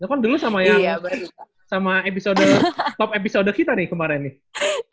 itu kan dulu sama yang sama episode top episode kita nih kemarin nih